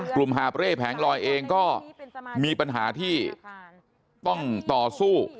หาบเร่แผงลอยเองก็มีปัญหาที่ต้องต่อสู้